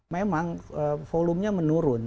memang volume nya menurun